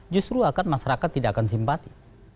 justru akan masyarakat tidak akan simpati